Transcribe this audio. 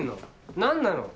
何なの？